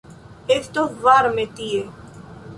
Estos varme tie.